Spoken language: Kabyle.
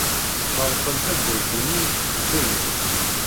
Tɣelqem tawwurt-nni deffir-nwen.